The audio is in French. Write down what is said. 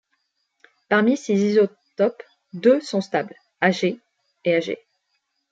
Parmi ces isotopes, deux sont stables, Ag et Ag.